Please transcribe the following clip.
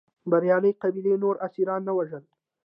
بریالۍ قبیلې نور اسیران نه وژل.